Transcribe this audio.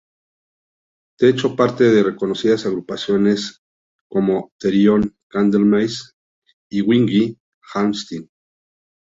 Ha hecho parte de reconocidas agrupaciones como Therion, Candlemass y Yngwie Malmsteen.